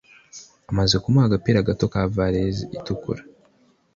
Amaze kumuha agapira gato ka varezi itukura,